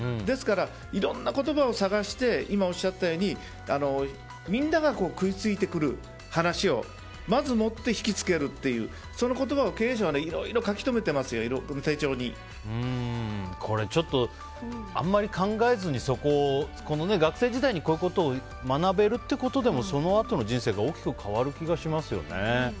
いろんな言葉を探して今おっしゃったようにみんなが食いついてくる話をまずもって引きつけるというその言葉を経営者はちょっとあんまり考えずに学生時代にこういうことを学べるってことでそのあとの人生が大きく変わる気がしますよね。